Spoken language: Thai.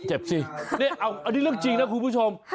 เนี่ยอ่ออที่เรียกจริงนะคุณผู้ชม